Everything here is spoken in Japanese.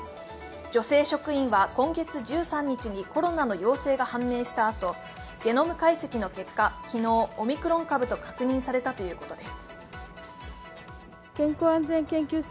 女性職員は今月１３日にコロナの陽性が判明したあと、ゲノム解析の結果、昨日、オミクロン株と確認されたということです。